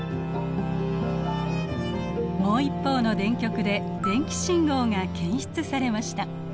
もう一方の電極で電気信号が検出されました。